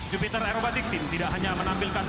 jupiter aerobatic team tidak hanya menampilkan